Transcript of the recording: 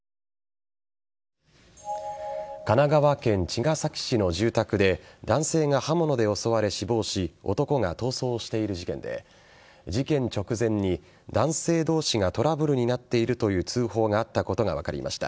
神奈川県茅ヶ崎市の住宅で男性が刃物で襲われ死亡し男が逃走している時点で事件直前に男性同士がトラブルになっているという通報があったことが分かりました。